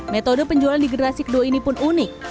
metode penjualan di generasi kedua ini pun unik